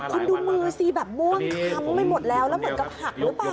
คุณดูมือสิแบบม่วงค้ำไปหมดแล้วแล้วเหมือนกับหักหรือเปล่า